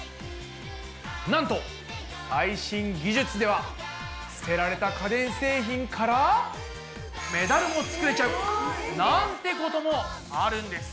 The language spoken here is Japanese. なんと最新技術では捨てられた家電製品からメダルもつくれちゃうなんてこともあるんです！